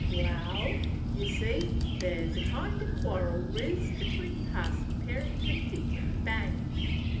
"Wal, ye see, there 's a kind o' quarrel ris 'tween Parson Perry and Deacon Bangs.